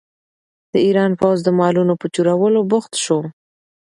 د ایران پوځ د مالونو په چورولو بوخت شو.